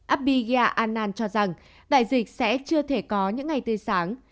abhigya anand cho rằng đại dịch sẽ chưa thể có những ngày tươi sáng